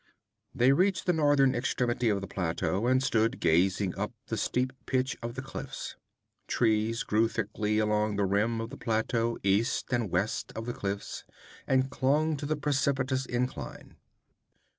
They reached the northern extremity of the plateau, and stood gazing up the steep pitch of the cliffs. Trees grew thickly along the rim of the plateau east and west of the cliffs, and clung to the precipitous incline.